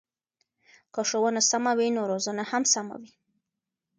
که ښوونه سمه وي نو روزنه هم سمه وي.